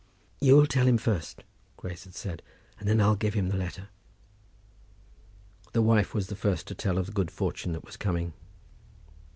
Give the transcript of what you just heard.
"You'll tell him first," Grace had said, "and then I'll give him the letter." The wife was the first to tell him of the good fortune that was coming.